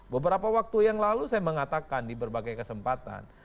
beberapa waktu yang lalu saya mengatakan di berbagai kesempatan